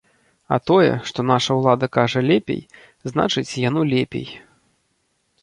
А тое, што наша ўлада кажа лепей, значыць, яно лепей.